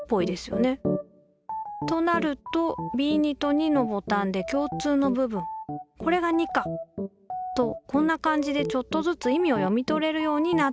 となるとＢ２と２のボタンで共通の部分これが２か！とこんな感じでちょっとずつ意味を読み取れるようになったんです。